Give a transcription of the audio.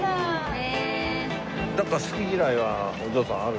なんか好き嫌いはお嬢さんある？